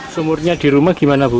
sumurnya di rumah gimana bu